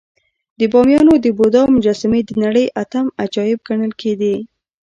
د بامیانو د بودا مجسمې د نړۍ اتم عجایب ګڼل کېدې